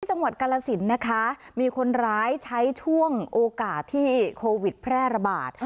จังหวัดกาลสินนะคะมีคนร้ายใช้ช่วงโอกาสที่โควิดแพร่ระบาด